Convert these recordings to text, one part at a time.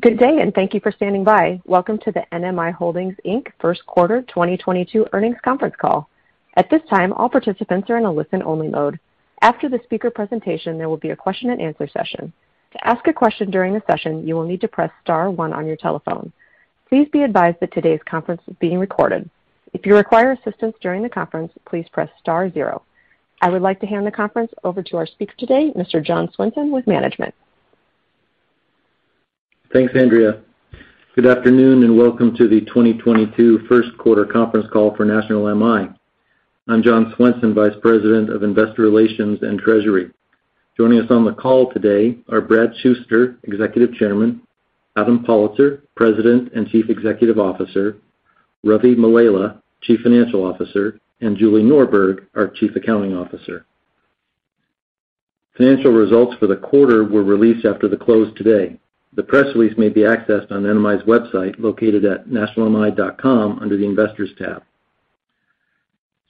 Good day, and thank you for standing by. Welcome to the NMI Holdings, Inc First Quarter 2022 earnings conference call. At this time, all participants are in a listen-only mode. After the speaker presentation, there will be a question-and-answer session. To ask a question during the session, you will need to press star one on your telephone. Please be advised that today's conference is being recorded. If you require assistance during the conference, please press star zero. I would like to hand the conference over to our speaker today, Mr. John Swenson with management. Thanks, Andrea. Good afternoon, and welcome to the 2022 first quarter conference call for National MI. I'm John Swenson, Vice President of Investor Relations and Treasury. Joining us on the call today are Bradley Shuster, Executive Chairman, Adam Pollitzer, President and Chief Executive Officer, Ravi Mallela, Chief Financial Officer, and Julie Norberg, our Chief Accounting Officer. Financial results for the quarter were released after the close today. The press release may be accessed on NMI's website, located at nationalmi.com under the Investors tab.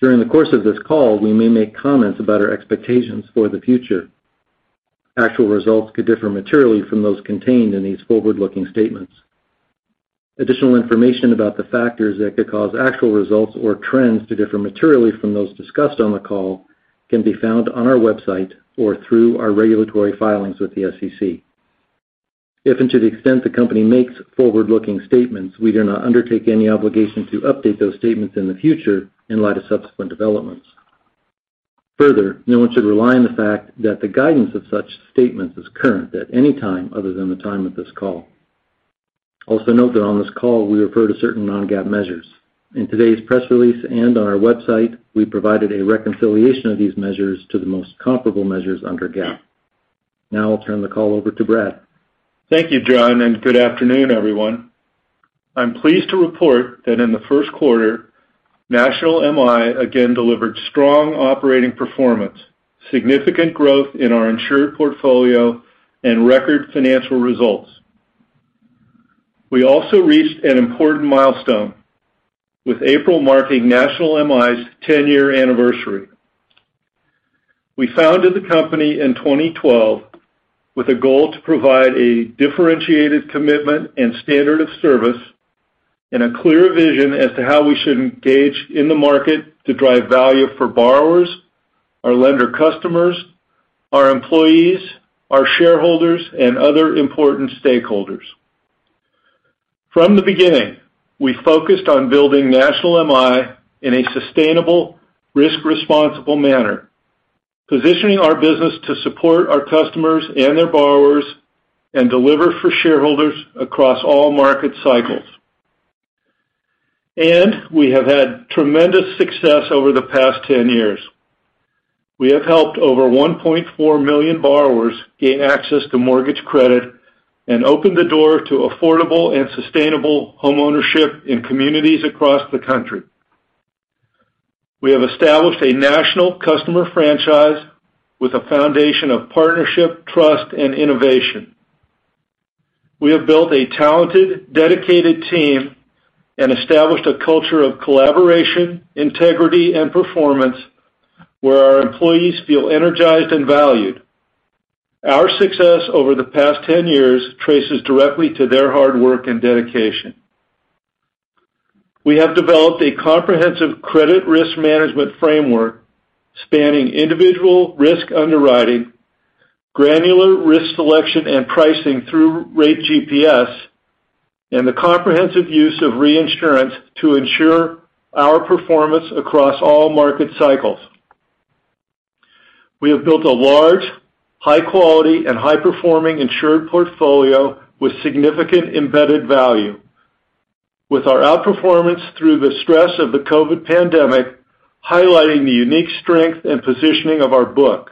During the course of this call, we may make comments about our expectations for the future. Actual results could differ materially from those contained in these forward-looking statements. Additional information about the factors that could cause actual results or trends to differ materially from those discussed on the call can be found on our website or through our regulatory filings with the SEC. If and to the extent the company makes forward-looking statements, we do not undertake any obligation to update those statements in the future in light of subsequent developments. Further, no one should rely on the fact that the guidance of such statements is current at any time other than the time of this call. Also note that on this call we refer to certain non-GAAP measures. In today's press release and on our website, we provided a reconciliation of these measures to the most comparable measures under GAAP. Now I'll turn the call over to Brad. Thank you, John, and good afternoon, everyone. I'm pleased to report that in the first quarter, National MI again delivered strong operating performance, significant growth in our insured portfolio and record financial results. We also reached an important milestone, with April marking National MI's 10-year anniversary. We founded the company in 2012 with a goal to provide a differentiated commitment and standard of service and a clear vision as to how we should engage in the market to drive value for borrowers, our lender customers, our employees, our shareholders, and other important stakeholders. From the beginning, we focused on building National MI in a sustainable, risk-responsible manner, positioning our business to support our customers and their borrowers and deliver for shareholders across all market cycles. We have had tremendous success over the past 10 years. We have helped over 1.4 million borrowers gain access to mortgage credit and opened the door to affordable and sustainable homeownership in communities across the country. We have established a national customer franchise with a foundation of partnership, trust and innovation. We have built a talented, dedicated team and established a culture of collaboration, integrity and performance where our employees feel energized and valued. Our success over the past 10 years traces directly to their hard work and dedication. We have developed a comprehensive credit risk management framework spanning individual risk underwriting, granular risk selection and pricing through Rate GPS, and the comprehensive use of reinsurance to ensure our performance across all market cycles. We have built a large, high-quality and high-performing insured portfolio with significant embedded value, with our outperformance through the stress of the COVID pandemic highlighting the unique strength and positioning of our book.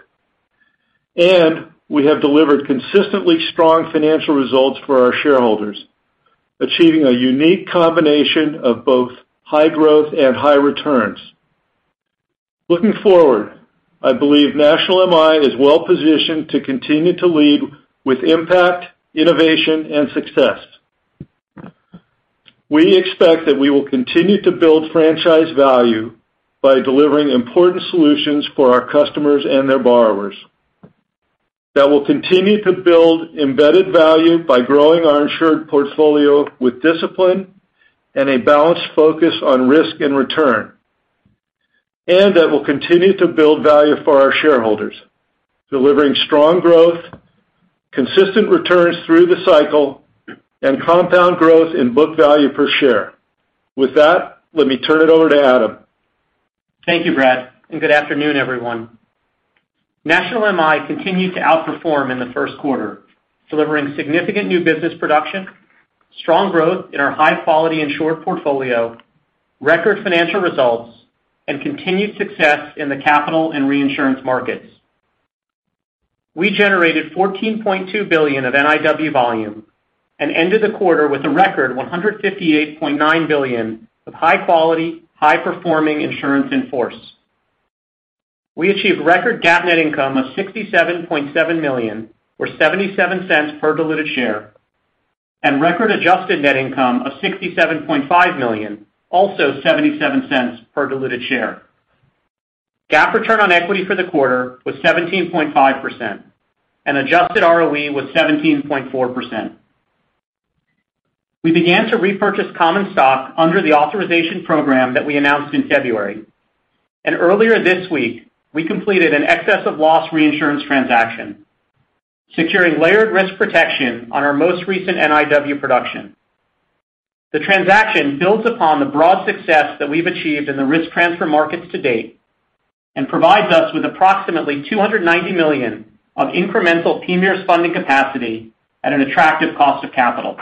We have delivered consistently strong financial results for our shareholders, achieving a unique combination of both high growth and high returns. Looking forward, I believe National MI is well positioned to continue to lead with impact, innovation and success. We expect that we will continue to build franchise value by delivering important solutions for our customers and their borrowers, that we'll continue to build embedded value by growing our insured portfolio with discipline and a balanced focus on risk and return. That we'll continue to build value for our shareholders, delivering strong growth, consistent returns through the cycle and compound growth in book value per share. With that, let me turn it over to Adam. Thank you, Brad, and good afternoon, everyone. National MI continued to outperform in the first quarter, delivering significant new business production, strong growth in our high-quality insured portfolio, record financial results and continued success in the capital and reinsurance markets. We generated $14.2 billion of NIW volume and ended the quarter with a record $158.9 billion of high quality, high performing insurance in force. We achieved record GAAP net income of $67.7 million or $0.77 per diluted share, and record adjusted net income of $67.5 million, also $0.77 per diluted share. GAAP return on equity for the quarter was 17.5% and adjusted ROE was 17.4%. We began to repurchase common stock under the authorization program that we announced in February. Earlier this week, we completed an excess of loss reinsurance transaction, securing layered risk protection on our most recent NIW production. The transaction builds upon the broad success that we've achieved in the risk transfer markets to date and provides us with approximately $290 million of incremental PMIERs funding capacity at an attractive cost of capital.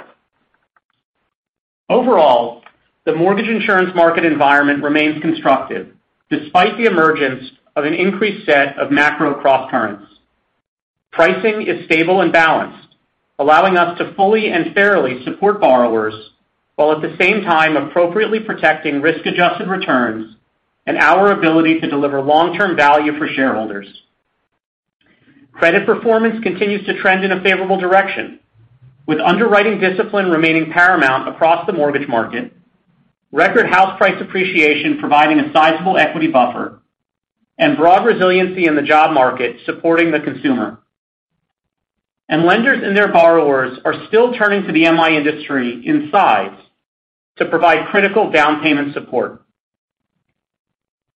Overall, the mortgage insurance market environment remains constructive despite the emergence of an increased set of macro crosscurrents. Pricing is stable and balanced, allowing us to fully and fairly support borrowers while at the same time appropriately protecting risk-adjusted returns and our ability to deliver long-term value for shareholders. Credit performance continues to trend in a favorable direction with underwriting discipline remaining paramount across the mortgage market, record house price appreciation providing a sizable equity buffer, and broad resiliency in the job market supporting the consumer. Lenders and their borrowers are still turning to the MI industry in size to provide critical down payment support.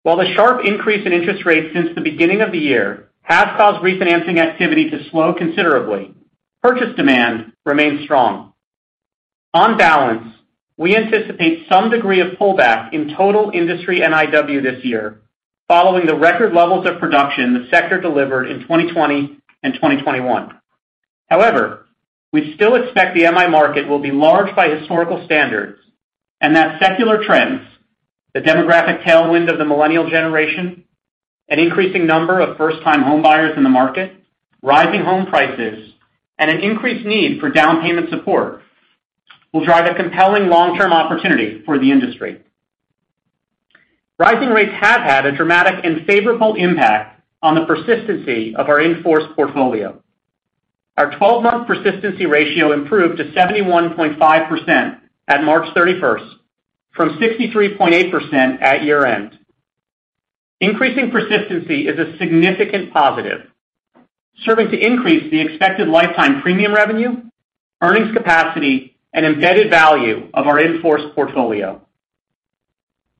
While the sharp increase in interest rates since the beginning of the year has caused refinancing activity to slow considerably, purchase demand remains strong. On balance, we anticipate some degree of pullback in total industry NIW this year following the record levels of production the sector delivered in 2020 and 2021. However, we still expect the MI market will be large by historical standards and that secular trends, the demographic tailwind of the millennial generation, an increasing number of first-time home buyers in the market, rising home prices, and an increased need for down payment support will drive a compelling long-term opportunity for the industry. Rising rates have had a dramatic and favorable impact on the persistency of our in-force portfolio. Our 12-month persistency ratio improved to 71.5% at March 31 from 63.8% at year-end. Increasing persistency is a significant positive, serving to increase the expected lifetime premium revenue, earnings capacity, and embedded value of our in-force portfolio.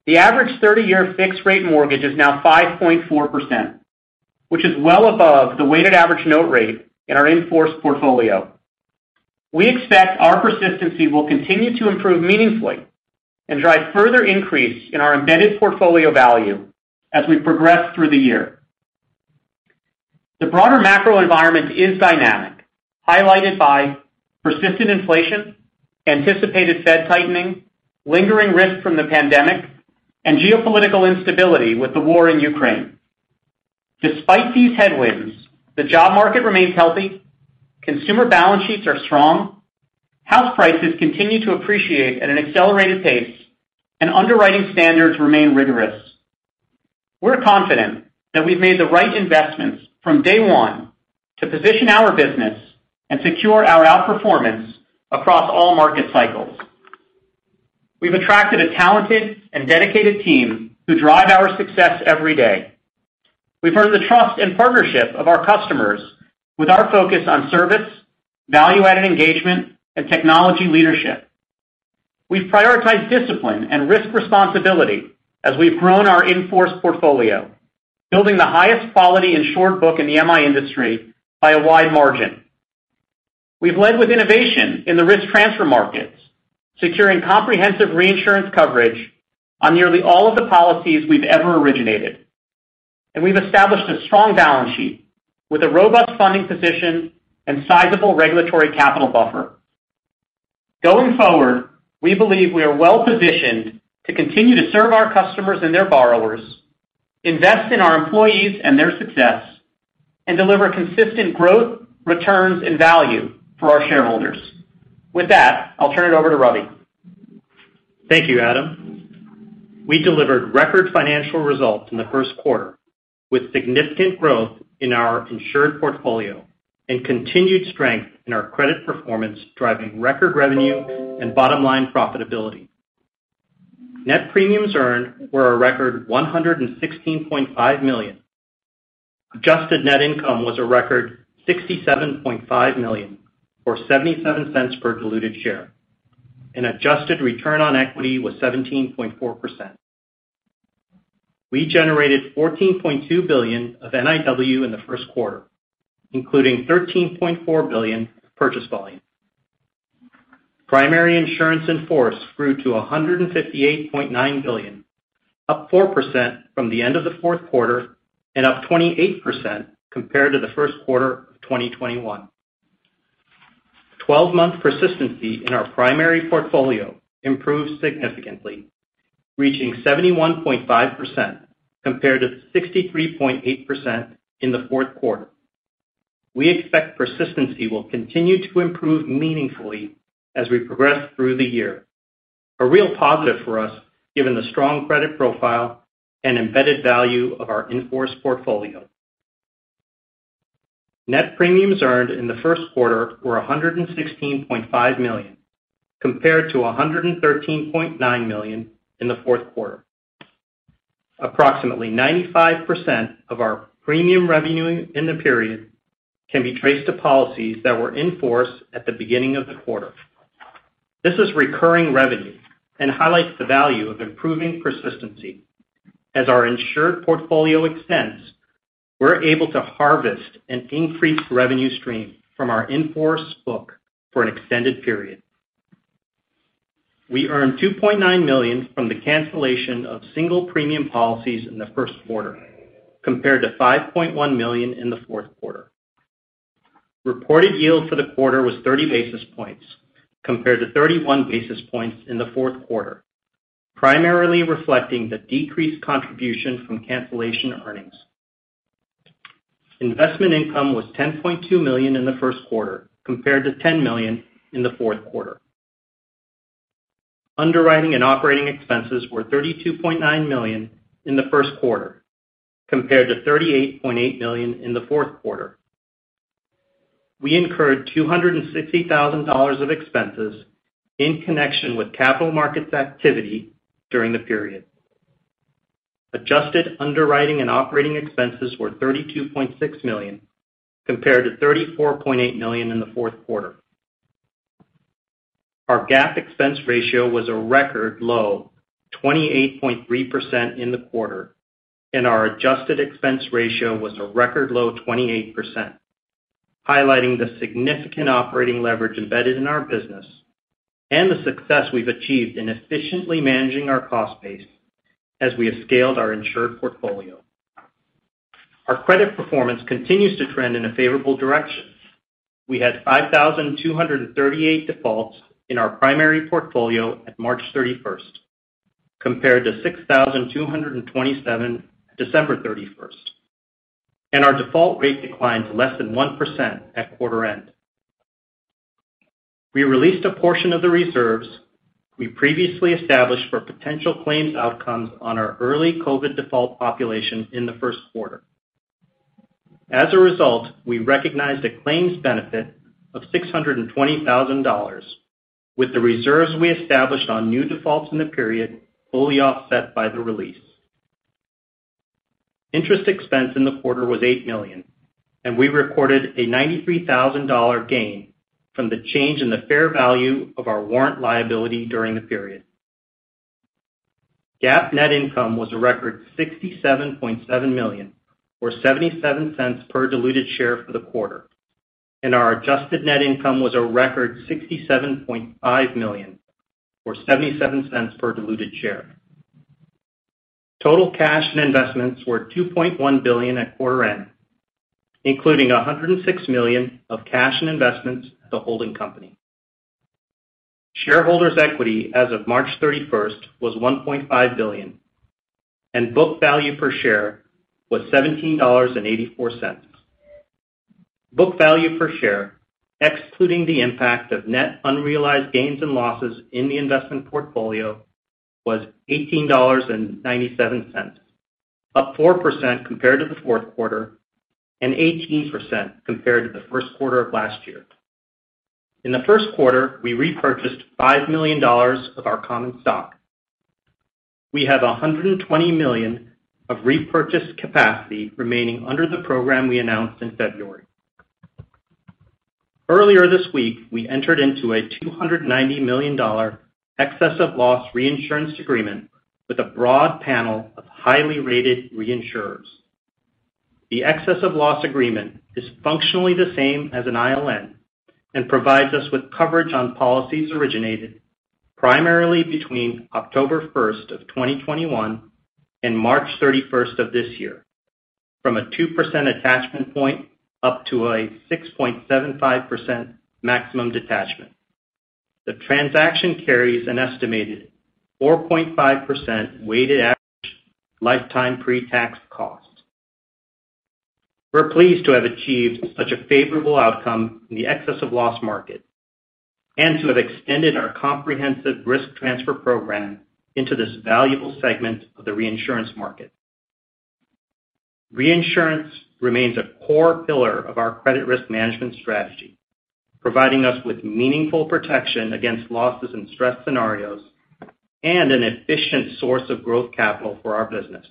The average 30-year fixed rate mortgage is now 5.4%, which is well above the weighted average note rate in our in-force portfolio. We expect our persistency will continue to improve meaningfully and drive further increase in our embedded portfolio value as we progress through the year. The broader macro environment is dynamic, highlighted by persistent inflation, anticipated Fed tightening, lingering risk from the pandemic, and geopolitical instability with the war in Ukraine. Despite these headwinds, the job market remains healthy, consumer balance sheets are strong, house prices continue to appreciate at an accelerated pace, and underwriting standards remain rigorous. We're confident that we've made the right investments from day one to position our business and secure our outperformance across all market cycles. We've attracted a talented and dedicated team who drive our success every day. We've earned the trust and partnership of our customers with our focus on service, value-added engagement, and technology leadership. We prioritize discipline and risk responsibility as we've grown our in-force portfolio, building the highest quality insured book in the MI industry by a wide margin. We've led with innovation in the risk transfer markets, securing comprehensive reinsurance coverage on nearly all of the policies we've ever originated. We've established a strong balance sheet with a robust funding position and sizable regulatory capital buffer. Going forward, we believe we are well-positioned to continue to serve our customers and their borrowers, invest in our employees and their success, and deliver consistent growth, returns, and value for our shareholders. With that, I'll turn it over to Ravi. Thank you, Adam. We delivered record financial results in the first quarter with significant growth in our insured portfolio and continued strength in our credit performance, driving record revenue and bottom-line profitability. Net premiums earned were a record $116.5 million. Adjusted net income was a record $67.5 million, or $0.77 per diluted share, and adjusted return on equity was 17.4%. We generated $14.2 billion of NIW in the first quarter, including $13.4 billion purchase volume. Primary insurance in force grew to $158.9 billion, up 4% from the end of the fourth quarter and up 28% compared to the first quarter of 2021. 12-month persistency in our primary portfolio improved significantly, reaching 71.5% compared to 63.8% in the fourth quarter. We expect persistency will continue to improve meaningfully as we progress through the year. A real positive for us, given the strong credit profile and embedded value of our in-force portfolio. Net premiums earned in the first quarter were $116.5 million, compared to $113.9 million in the fourth quarter. Approximately 95% of our premium revenue in the period can be traced to policies that were in force at the beginning of the quarter. This is recurring revenue and highlights the value of improving persistency. As our insured portfolio extends, we're able to harvest an increased revenue stream from our in-force book for an extended period. We earned $2.9 million from the cancellation of single premium policies in the first quarter, compared to $5.1 million in the fourth quarter. Reported yield for the quarter was 30 basis points, compared to 31 basis points in the fourth quarter, primarily reflecting the decreased contribution from cancellation earnings. Investment income was $10.2 million in the first quarter, compared to $10 million in the fourth quarter. Underwriting and operating expenses were $32.9 million in the first quarter, compared to $38.8 million in the fourth quarter. We incurred $260,000 of expenses in connection with capital markets activity during the period. Adjusted underwriting and operating expenses were $32.6 million, compared to $34.8 million in the fourth quarter. Our GAAP expense ratio was a record low 28.3% in the quarter, and our adjusted expense ratio was a record low 28%, highlighting the significant operating leverage embedded in our business and the success we've achieved in efficiently managing our cost base as we have scaled our insured portfolio. Our credit performance continues to trend in a favorable direction. We had 5,238 defaults in our primary portfolio at March 31st, compared to 6,227, December 31st, and our default rate declined to less than 1% at quarter end. We released a portion of the reserves we previously established for potential claims outcomes on our early COVID default population in the first quarter. As a result, we recognized a claims benefit of $620,000 with the reserves we established on new defaults in the period, fully offset by the release. Interest expense in the quarter was $8 million, and we recorded a $93,000 gain from the change in the fair value of our warrant liability during the period. GAAP net income was a record $67.7 million or $0.77 per diluted share for the quarter, and our adjusted net income was a record $67.5 million or $0.77 per diluted share. Total cash and investments were $2.1 billion at quarter end, including $106 million of cash and investments at the holding company. Shareholders' equity as of March 31st was $1.5 billion, and book value per share was $17.84. Book value per share, excluding the impact of net unrealized gains and losses in the investment portfolio, was $18.97, up 4% compared to the fourth quarter and 18% compared to the first quarter of last year. In the first quarter, we repurchased $5 million of our common stock. We have $120 million of repurchase capacity remaining under the program we announced in February. Earlier this week, we entered into a $290 million excess of loss reinsurance agreement with a broad panel of highly rated reinsurers. The excess of loss agreement is functionally the same as an ILN and provides us with coverage on policies originated primarily between October 1st, 2021 and March 31st of this year from a 2% attachment point up to a 6.75% maximum detachment. The transaction carries an estimated 4.5% weighted average lifetime pre-tax cost. We're pleased to have achieved such a favorable outcome in the excess of loss market and to have extended our comprehensive risk transfer program into this valuable segment of the reinsurance market. Reinsurance remains a core pillar of our credit risk management strategy, providing us with meaningful protection against losses and stress scenarios and an efficient source of growth capital for our business.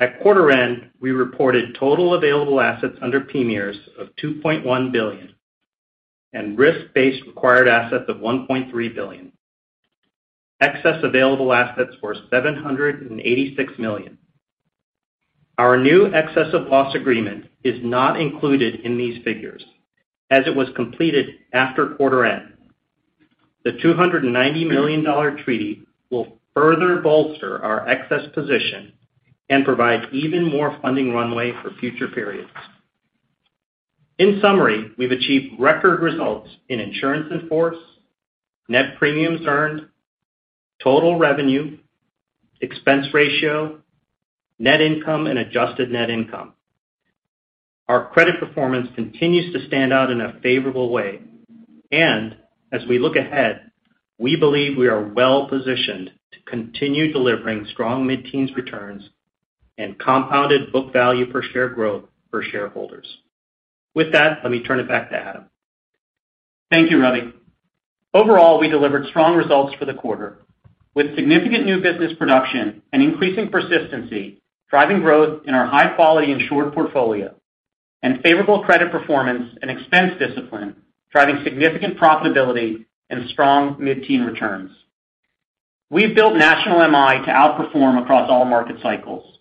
At quarter end, we reported total available assets under PMIERs of $2.1 billion and risk-based required assets of $1.3 billion. Excess available assets were $786 million. Our new excess of loss agreement is not included in these figures as it was completed after quarter end. The $290 million treaty will further bolster our excess position and provide even more funding runway for future periods. In summary, we've achieved record results in insurance in force, net premiums earned, total revenue, expense ratio, net income, and adjusted net income. Our credit performance continues to stand out in a favorable way. As we look ahead, we believe we are well-positioned to continue delivering strong mid-teens returns and compounded book value per share growth for shareholders. With that, let me turn it back to Adam. Thank you, Ravi. Overall, we delivered strong results for the quarter, with significant new business production and increasing persistency driving growth in our high-quality insured portfolio and favorable credit performance and expense discipline driving significant profitability and strong mid-teen returns. We've built National MI to outperform across all market cycles.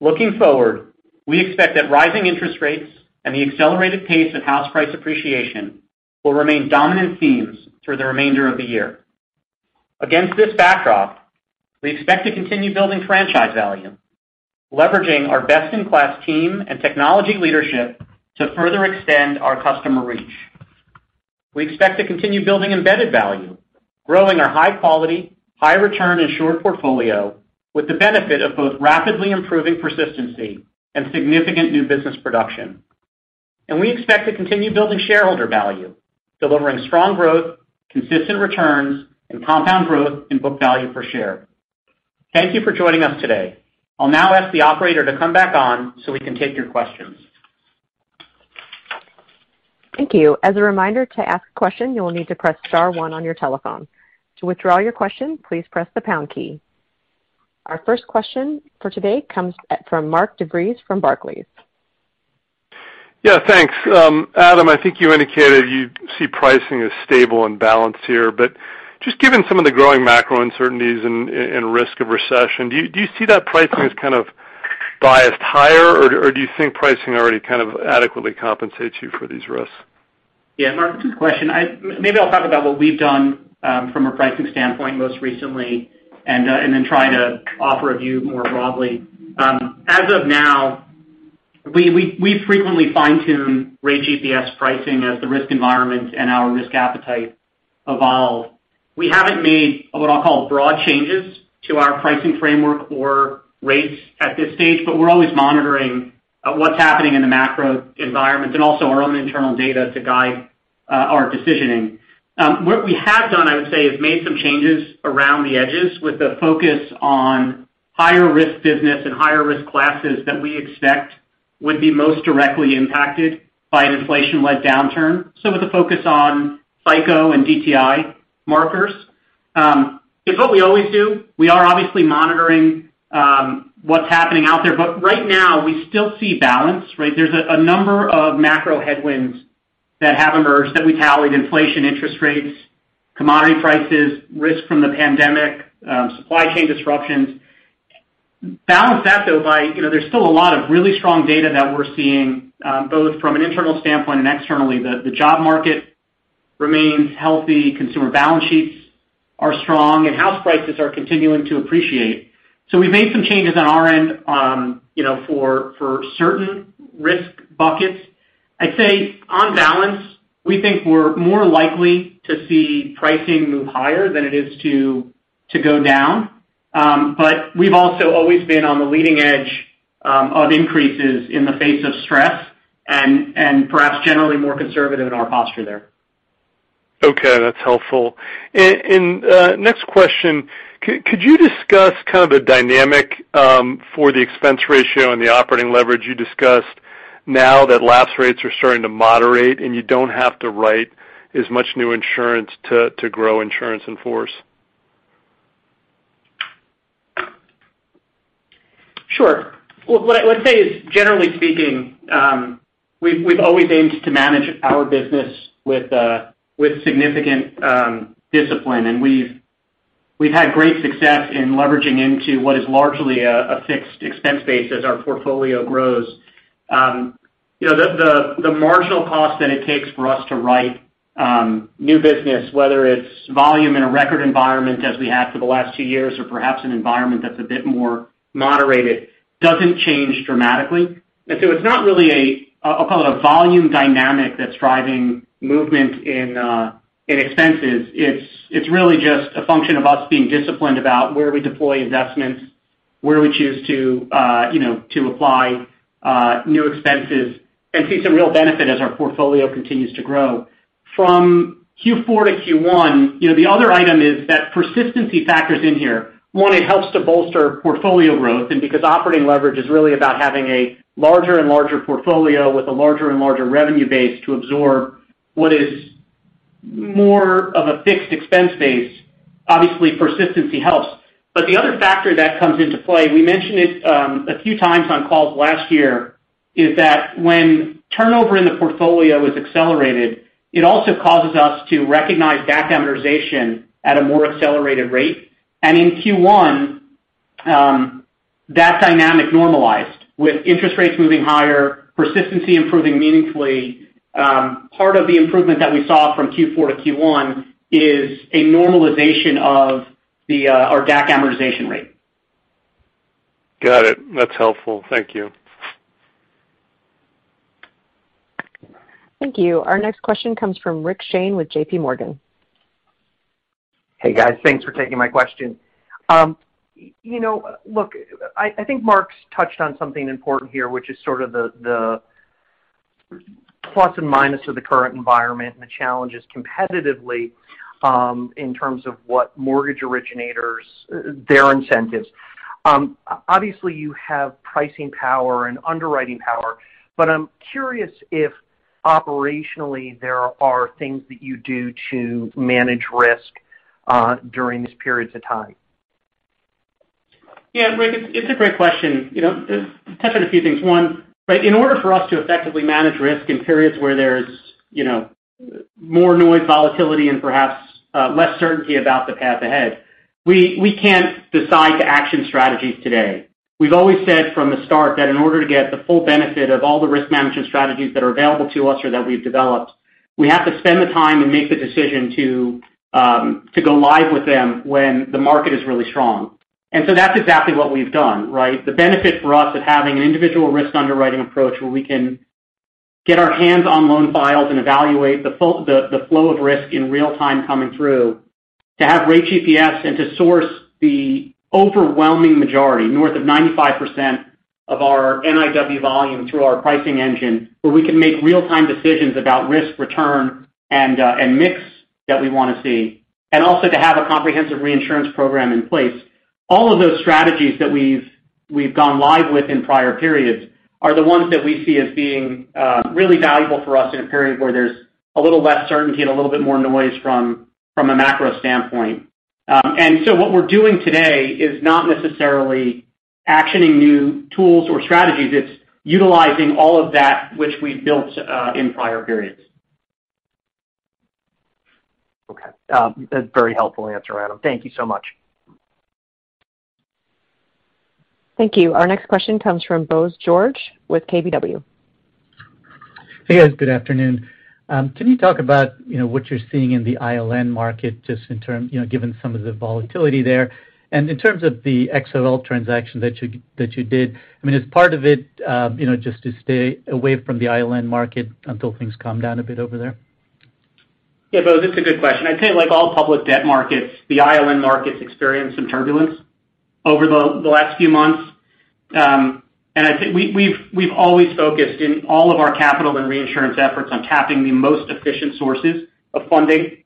Looking forward, we expect that rising interest rates and the accelerated pace of house price appreciation will remain dominant themes through the remainder of the year. Against this backdrop, we expect to continue building franchise value, leveraging our best-in-class team and technology leadership to further extend our customer reach. We expect to continue building embedded value, growing our high quality, high return insured portfolio with the benefit of both rapidly improving persistency and significant new business production. We expect to continue building shareholder value, delivering strong growth, consistent returns, and compound growth in book value per share. Thank you for joining us today. I'll now ask the operator to come back on so we can take your questions. Thank you. As a reminder, to ask a question, you will need to press star one on your telephone. To withdraw your question, please press the pound key. Our first question for today comes from Mark DeVries from Barclays. Yeah, thanks. Adam, I think you indicated you see pricing as stable and balanced here. Just given some of the growing macro uncertainties and risk of recession, do you see that pricing as kind of biased higher, or do you think pricing already kind of adequately compensates you for these risks? Yeah, Mark, good question. Maybe I'll talk about what we've done from a pricing standpoint most recently and then try to offer a view more broadly. As of now, we frequently fine-tune Rate GPS pricing as the risk environment and our risk appetite evolve. We haven't made what I'll call broad changes to our pricing framework or rates at this stage, but we're always monitoring what's happening in the macro environment and also our own internal data to guide our decisioning. What we have done, I would say, is made some changes around the edges with a focus on higher risk business and higher risk classes that we expect would be most directly impacted by an inflation-led downturn, so with a focus on FICO and DTI markers. It's what we always do. We are obviously monitoring what's happening out there. Right now, we still see balance, right? There's a number of macro headwinds that have emerged that we tallied, inflation, interest rates, commodity prices, risk from the pandemic, supply chain disruptions. Balance that, though, by you know, there's still a lot of really strong data that we're seeing, both from an internal standpoint and externally. The job market remains healthy. Consumer balance sheets are strong, and house prices are continuing to appreciate. We've made some changes on our end, you know, for certain risk buckets. I'd say on balance, we think we're more likely to see pricing move higher than it is to go down. We've also always been on the leading edge of increases in the face of stress and perhaps generally more conservative in our posture there. Okay, that's helpful. Next question. Could you discuss kind of the dynamic for the expense ratio and the operating leverage you discussed now that lapse rates are starting to moderate, and you don't have to write as much new insurance to grow insurance in force? Sure. Well, what I'd say is, generally speaking, we've always aimed to manage our business with significant discipline. We've had great success in leveraging into what is largely a fixed expense base as our portfolio grows. You know, the marginal cost that it takes for us to write new business, whether it's volume in a record environment as we have for the last two years, or perhaps an environment that's a bit more moderated, doesn't change dramatically. It's not really a volume dynamic that's driving movement in expenses. It's really just a function of us being disciplined about where we deploy investments, where we choose to you know to apply new expenses and see some real benefit as our portfolio continues to grow. From Q4 to Q1, you know, the other item is that persistency factors in here. One, it helps to bolster portfolio growth. Because operating leverage is really about having a larger and larger portfolio with a larger and larger revenue base to absorb what is more of a fixed expense base, obviously persistency helps. The other factor that comes into play, we mentioned it, a few times on calls last year, is that when turnover in the portfolio is accelerated, it also causes us to recognize DAC amortization at a more accelerated rate. In Q1, that dynamic normalized. With interest rates moving higher, persistency improving meaningfully, part of the improvement that we saw from Q4 to Q1 is a normalization of the our DAC amortization rate. Got it. That's helpful. Thank you. Thank you. Our next question comes from Rick Shane with JPMorgan. Hey guys, thanks for taking my question. You know, look, I think Mark's touched on something important here, which is sort of the plus and minus of the current environment and the challenges competitively in terms of what mortgage originators, their incentives. Obviously, you have pricing power and underwriting power, but I'm curious if operationally there are things that you do to manage risk during these periods of time. Yeah, Rick, it's a great question. You know, touch on a few things. One, right, in order for us to effectively manage risk in periods where there's, you know, more noise, volatility and perhaps, less certainty about the path ahead, we can't decide to action strategies today. We've always said from the start that in order to get the full benefit of all the risk management strategies that are available to us or that we've developed, we have to spend the time and make the decision to go live with them when the market is really strong. That's exactly what we've done, right? The benefit for us of having an individual risk underwriting approach where we can get our hands on loan files and evaluate the full flow of risk in real time coming through to have Rate GPS and to source the overwhelming majority, north of 95% of our NIW volume through our pricing engine, where we can make real-time decisions about risk return and mix that we wanna see, and also to have a comprehensive reinsurance program in place. All of those strategies that we've gone live with in prior periods are the ones that we see as being really valuable for us in a period where there's a little less certainty and a little bit more noise from a macro standpoint. What we're doing today is not necessarily actioning new tools or strategies. It's utilizing all of that which we've built in prior periods. Okay. A very helpful answer, Adam. Thank you so much. Thank you. Our next question comes from Bose George with KBW. Hey, guys. Good afternoon. Can you talk about, you know, what you're seeing in the ILN market just in terms, you know, given some of the volatility there? In terms of the XOL transaction that you did, I mean, is part of it, you know, just to stay away from the ILN market until things calm down a bit over there? Yeah, Bose, it's a good question. I'd say like all public debt markets, the ILN markets experienced some turbulence over the last few months. I think we've always focused in all of our capital and reinsurance efforts on tapping the most efficient sources of funding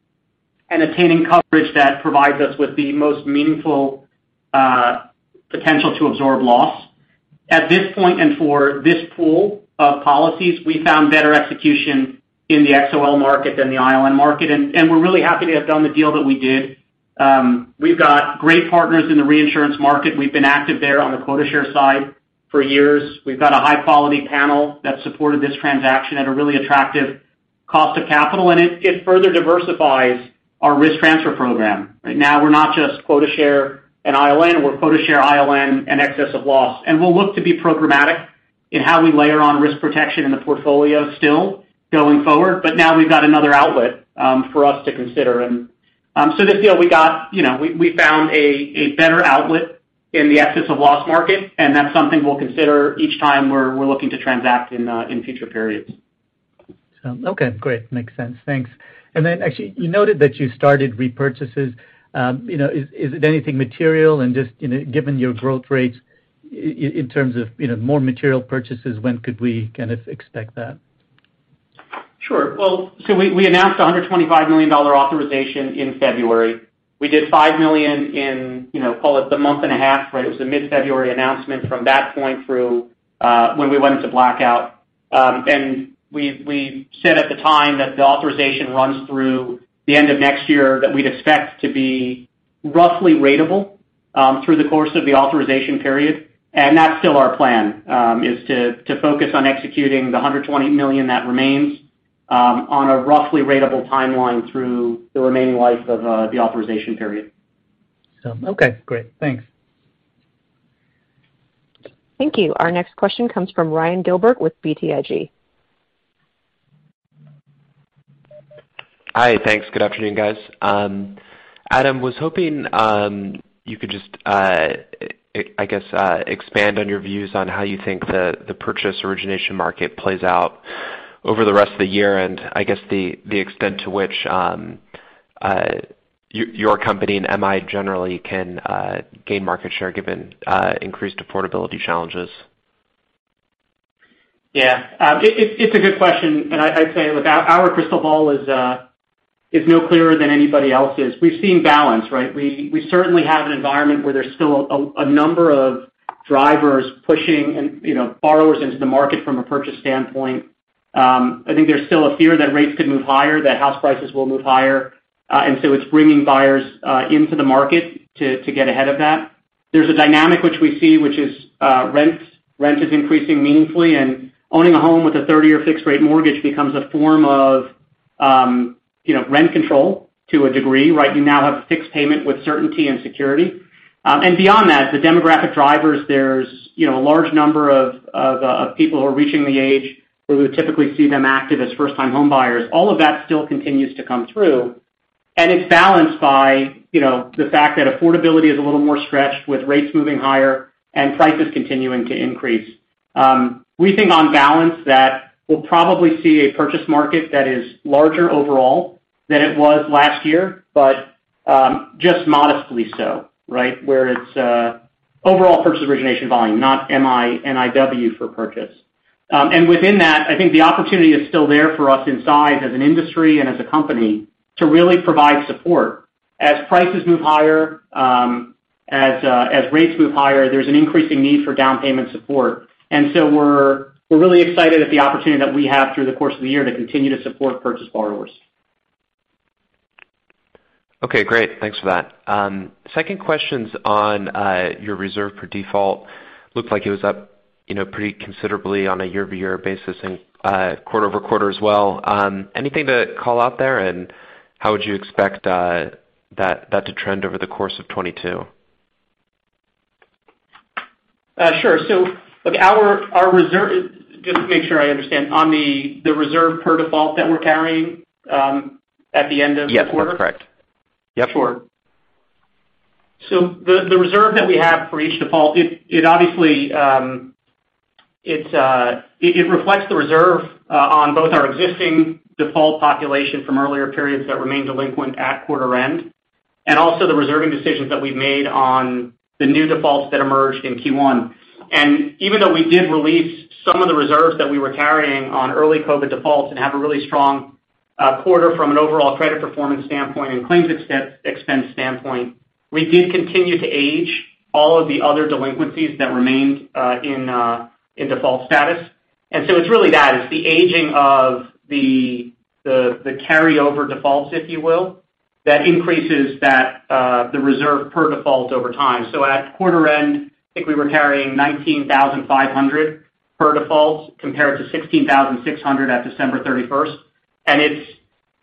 and attaining coverage that provides us with the most meaningful potential to absorb loss. At this point, and for this pool of policies, we found better execution in the XOL market than the ILN market, and we're really happy to have done the deal that we did. We've got great partners in the reinsurance market. We've been active there on the quota share side for years. We've got a high-quality panel that supported this transaction at a really attractive cost of capital, and it further diversifies our risk transfer program. Right now, we're not just quota share and ILN, we're quota share ILN and excess of loss. We'll look to be programmatic in how we layer on risk protection in the portfolio still going forward. Now we've got another outlet for us to consider. This deal we got, you know, we found a better outlet in the excess of loss market, and that's something we'll consider each time we're looking to transact in future periods. Okay, great. Makes sense. Thanks. Actually, you noted that you started repurchases. You know, is it anything material? Just, you know, given your growth rates in terms of, you know, more material purchases, when could we kind of expect that? Sure. Well, we announced $125 million authorization in February. We did $5 million in, you know, call it the month and a half, right? It was a mid-February announcement from that point through when we went into blackout. We said at the time that the authorization runs through the end of next year, that we'd expect to be roughly ratable through the course of the authorization period. That's still our plan is to focus on executing the $120 million that remains on a roughly ratable timeline through the remaining life of the authorization period. Okay. Great. Thanks. Thank you. Our next question comes from Ryan Gilbert with BTIG. Hi. Thanks. Good afternoon, guys. Adam, I was hoping you could just, I guess, expand on your views on how you think the purchase origination market plays out over the rest of the year, and I guess the extent to which your company and MI generally can gain market share given increased affordability challenges. Yeah. It's a good question, and I'd say, look, our crystal ball is no clearer than anybody else's. We've seen balance, right? We certainly have an environment where there's still a number of drivers pushing and, you know, borrowers into the market from a purchase standpoint. I think there's still a fear that rates could move higher, that house prices will move higher, and so it's bringing buyers into the market to get ahead of that. There's a dynamic which we see, which is rents. Rent is increasing meaningfully, and owning a home with a 30-year fixed rate mortgage becomes a form of, you know, rent control to a degree, right? You now have a fixed payment with certainty and security. Beyond that, the demographic drivers, there's, you know, a large number of people who are reaching the age where we would typically see them active as first-time home buyers. All of that still continues to come through, and it's balanced by, you know, the fact that affordability is a little more stretched with rates moving higher and prices continuing to increase. We think on balance that we'll probably see a purchase market that is larger overall than it was last year, but just modestly so, right? Where it's overall purchase origination volume, not MI NIW for purchase. Within that, I think the opportunity is still there for us in size as an industry and as a company to really provide support. As prices move higher, as rates move higher, there's an increasing need for down payment support. We're really excited at the opportunity that we have through the course of the year to continue to support purchase borrowers. Okay, great. Thanks for that. Second question's on your reserve for default. Looked like it was up, you know, pretty considerably on a year-over-year basis and quarter-over-quarter as well. Anything to call out there, and how would you expect that to trend over the course of 2022? Sure. Look, our reserve. Just to make sure I understand. On the reserve per default that we're carrying at the end of the quarter? Yes, that's correct. Yep. Sure. The reserve that we have for each default, it obviously reflects the reserve on both our existing default population from earlier periods that remain delinquent at quarter end, and also the reserving decisions that we've made on the new defaults that emerged in Q1. Even though we did release some of the reserves that we were carrying on early COVID defaults and have a really strong quarter from an overall credit performance standpoint and claims expense standpoint, we did continue to age all of the other delinquencies that remained in default status. It's really that. It's the aging of the carryover defaults, if you will, that increases the reserve per default over time. At quarter end, I think we were carrying $19,500 per default compared to $16,600 at December 31st.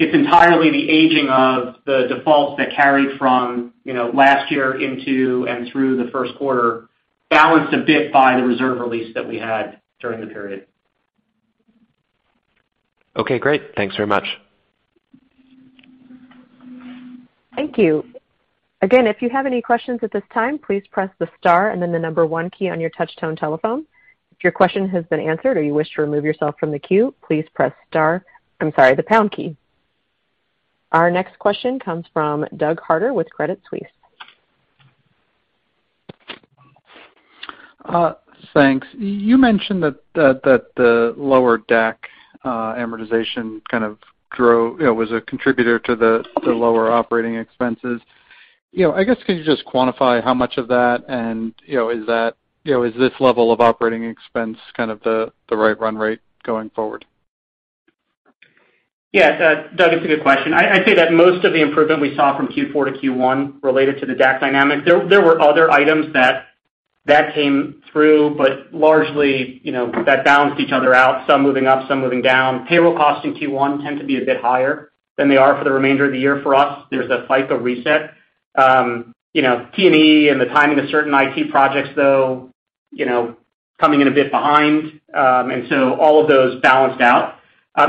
It's entirely the aging of the defaults that carried from, you know, last year into and through the first quarter, balanced a bit by the reserve release that we had during the period. Okay, great. Thanks very much. Thank you. Again, if you have any questions at this time, please press the star and then the number one key on your touch-tone telephone. If your question has been answered or you wish to remove yourself from the queue, please press star. I'm sorry, the pound key. Our next question comes from Douglas Harter with Credit Suisse. Thanks. You mentioned that the lower DAC amortization kind of growth was a contributor to the lower operating expenses. You know, I guess, could you just quantify how much of that and, you know, is that, you know, is this level of operating expense kind of the right run rate going forward? Yeah. Doug, it's a good question. I'd say that most of the improvement we saw from Q4 to Q1 related to the DAC dynamic. There were other items that came through, but largely, you know, that balanced each other out, some moving up, some moving down. Payroll costs in Q1 tend to be a bit higher than they are for the remainder of the year for us. There's a FICA reset. You know, T&E and the timing of certain IT projects, though, you know, coming in a bit behind. All of those balanced out.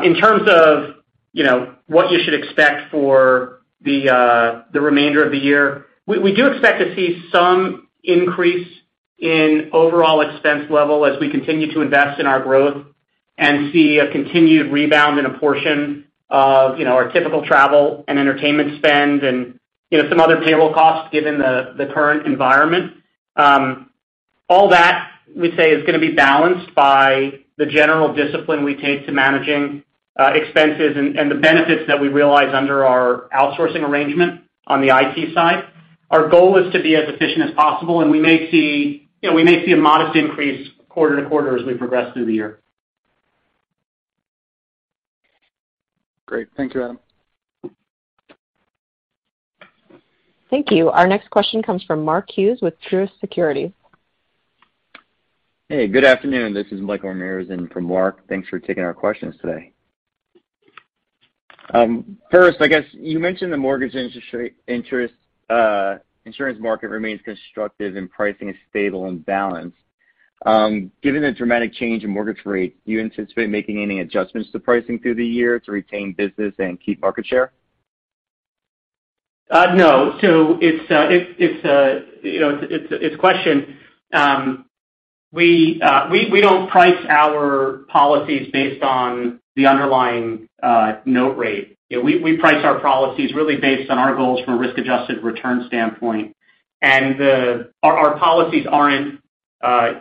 In terms of, you know, what you should expect for the remainder of the year, we do expect to see some increase in overall expense level as we continue to invest in our growth and see a continued rebound in a portion of, you know, our typical travel and entertainment spend and, you know, some other payroll costs given the current environment. All that we'd say is gonna be balanced by the general discipline we take to managing expenses and the benefits that we realize under our outsourcing arrangement on the IT side. Our goal is to be as efficient as possible, and we may see a modest increase quarter-to-quarter as we progress through the year. Great. Thank you, Adam. Thank you. Our next question comes from Mark Hughes with Truist Securities. Hey, good afternoon. This is Michael Ramirez in for Mark. Thanks for taking our questions today. First, I guess you mentioned the mortgage insurance market remains constructive and pricing is stable and balanced. Given the dramatic change in mortgage rates, do you anticipate making any adjustments to pricing through the year to retain business and keep market share? No. It's a question. We don't price our policies based on the underlying note rate. You know, we price our policies really based on our goals from a risk-adjusted return standpoint. Our policies aren't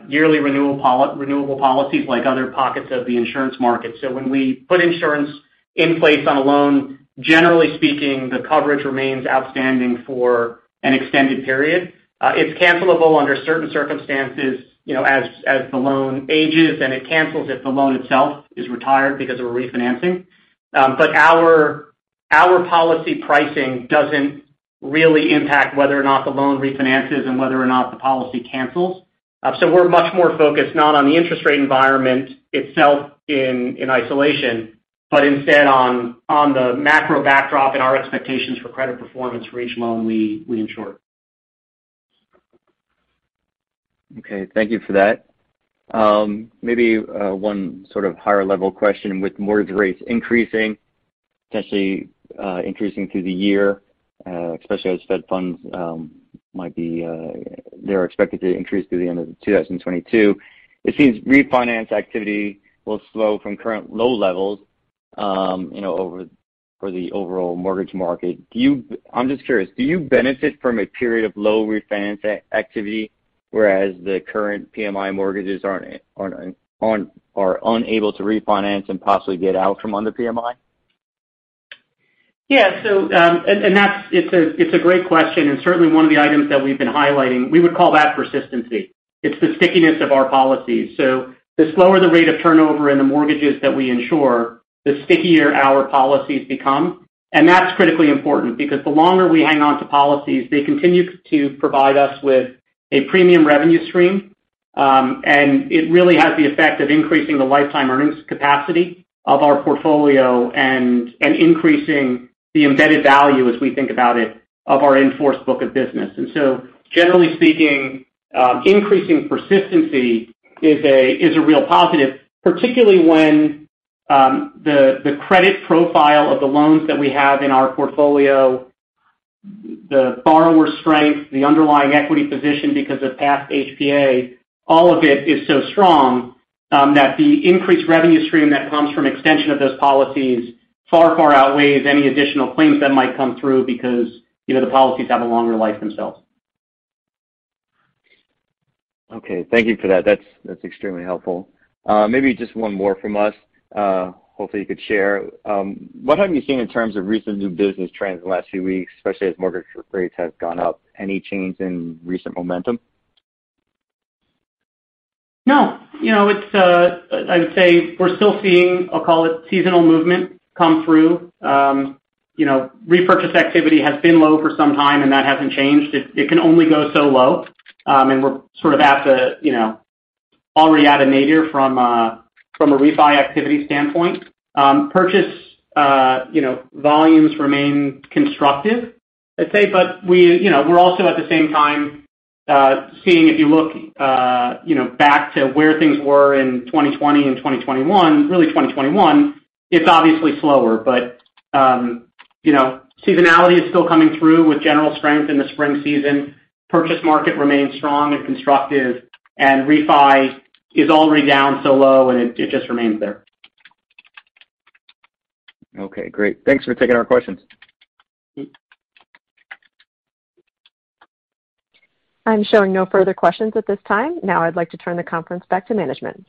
yearly renewable policies like other pockets of the insurance market. When we put insurance in place on a loan, generally speaking, the coverage remains outstanding for an extended period. It's cancelable under certain circumstances, you know, as the loan ages, and it cancels if the loan itself is retired because of a refinancing. Our policy pricing doesn't really impact whether or not the loan refinances and whether or not the policy cancels. We're much more focused not on the interest rate environment itself in isolation, but instead on the macro backdrop and our expectations for credit performance for each loan we insure. Okay, thank you for that. Maybe one sort of higher level question. With mortgage rates increasing potentially increasing through the year, especially as Fed funds might be, they're expected to increase through the end of 2022. It seems refinance activity will slow from current low levels, you know, over for the overall mortgage market. I'm just curious, do you benefit from a period of low refinance activity, whereas the current PMI mortgages aren't able to refinance and possibly get out from under PMI? Yeah, that's a great question, and certainly one of the items that we've been highlighting. We would call that persistency. It's the stickiness of our policies. The slower the rate of turnover in the mortgages that we insure, the stickier our policies become. That's critically important because the longer we hang on to policies, they continue to provide us with a premium revenue stream. It really has the effect of increasing the lifetime earnings capacity of our portfolio and increasing the embedded value, as we think about it, of our in-force book of business. Generally speaking, increasing persistency is a real positive, particularly when the credit profile of the loans that we have in our portfolio, the borrower strength, the underlying equity position because of past HPA, all of it is so strong, that the increased revenue stream that comes from extension of those policies far outweighs any additional claims that might come through because, you know, the policies have a longer life themselves. Okay. Thank you for that. That's extremely helpful. Maybe just one more from us, hopefully you could share. What have you seen in terms of recent new business trends in the last few weeks, especially as mortgage rates have gone up? Any change in recent momentum? No. You know, it's I would say we're still seeing, I'll call it seasonal movement come through. You know, repurchase activity has been low for some time, and that hasn't changed. It can only go so low. We're sort of at the, you know, already at a nadir from a refi activity standpoint. Purchase volumes remain constructive, I'd say. We're also at the same time seeing if you look back to where things were in 2020 and 2021, really 2021, it's obviously slower. You know, seasonality is still coming through with general strength in the spring season. Purchase market remains strong and constructive, and refi is already down so low, and it just remains there. Okay, great. Thanks for taking our questions. I'm showing no further questions at this time. Now I'd like to turn the conference back to management.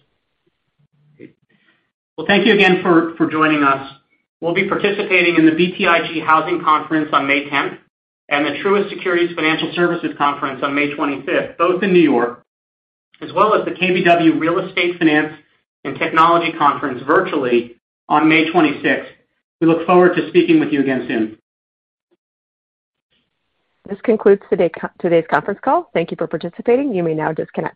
Well, thank you again for joining us. We'll be participating in the BTIG Housing Conference on May 10th and the Truist Securities Financial Services Conference on May 25th, both in New York, as well as the KBW Real Estate Finance and Technology Conference virtually on May 26th. We look forward to speaking with you again soon. This concludes today's conference call. Thank you for participating. You may now disconnect.